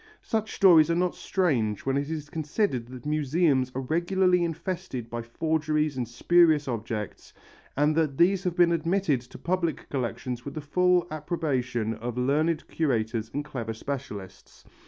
Such stories are not strange when it is considered that museums are regularly infested by forgeries and spurious objects and that these have been admitted to public collections with the full approbation of learned curators and clever specialists.